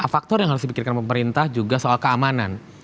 faktor yang harus dipikirkan pemerintah juga soal keamanan